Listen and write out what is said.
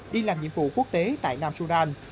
đi làm nhiệm vụ quốc tế tại nam sudan